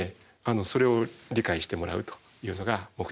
それを理解してもらうというのが目的。